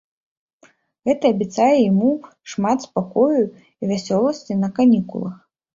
Гэта абяцае яму шмат спакою і весялосці на канікулах.